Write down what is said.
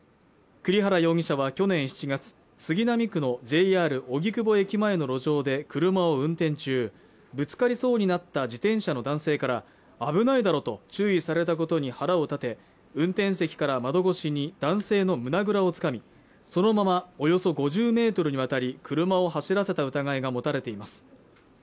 栗原容疑者は去年７月杉並区のＪＲ荻窪駅前の路上で車を運転中ぶつかりそうになった自転車の男性から危ないだろと注意されたことに腹を立て運転席から窓越しに男性の胸ぐらをつかみそのままおよそ５０Ｍにわたり車を走らせた疑いが持たれています